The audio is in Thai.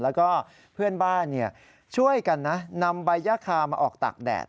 แล้วก็เพื่อนบ้านช่วยกันนะนำใบย่าคามาออกตากแดด